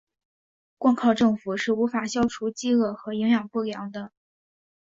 光靠政府是无法消除饥饿和营养不良的。